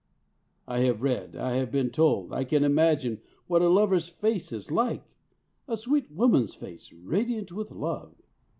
I have read, I have been told, I can imagine what a lover's face is like a sweet woman's face radiant with love.